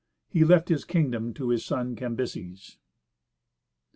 He left his kingdom to his son Cambyses.